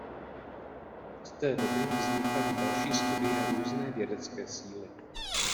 Od té doby vznikaly další studie různé vědecké síly.